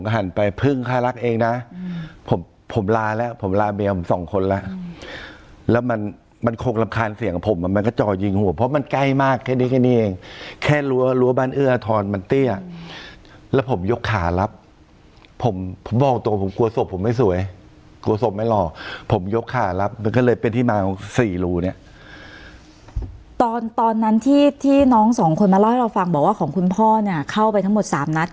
หันไปพึ่งค่ารักเองน่ะผมผมลาแล้วผมลาเมียผมสองคนล่ะแล้วมันมันคงรำคาญเสียงกับผมอะมันก็จ่อยยิงหัวเพราะมันใกล้มากแค่นี้แค่นี้เองแค่รั้วรั้วบ้านเอื้อทรมันเตี้ยแล้วผมยกขาลับผมบอกตัวผมกลัวศพผมไม่สวยกลัวศพไม่หล่อผมยกขาลับมันก็เลยเป็นที่มาของสี่รูเนี้ยตอนตอนนั้นที่ที่น้องสองคนมา